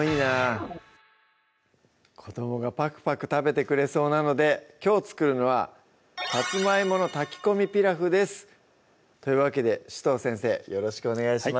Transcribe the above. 子どもがパクパク食べてくれそうなのできょう作るのは「さつまいもの炊き込みピラフ」ですというわけで紫藤先生よろしくお願いします